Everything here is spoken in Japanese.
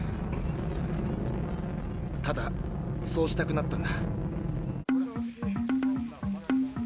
ただそうしたくなったんだ。